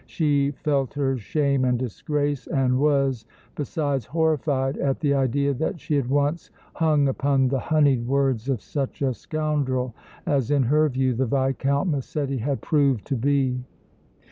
She felt her shame and disgrace and was, besides, horrified at the idea that she had once hung upon the honeyed words of such a scoundrel as in her view the Viscount Massetti had proved to be.